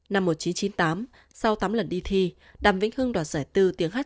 năm một nghìn chín trăm chín mươi tám sau tám lần đi thi đàm vĩnh hưng đoạt giải bốn tiếng hát